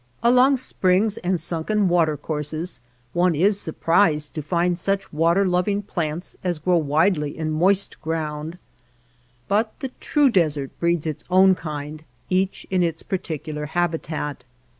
Along springs and sunken watercourses one is surprised to find such water loving plants as grow widely in moist ground, but the true desert breeds its own kind, each in its particular habitat.